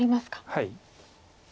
はい。